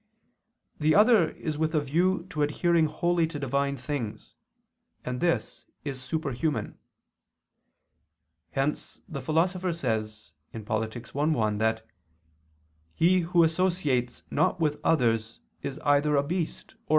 The other is with a view to adhering wholly to divine things; and this is superhuman. Hence the Philosopher says (Polit. i, 1) that "he who associates not with others is either a beast or a god," i.